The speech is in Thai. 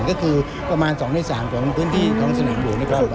ก็คือประมาณ๒๓ประมาณพื้นที่ของสนามหลวงเนี่ยครับ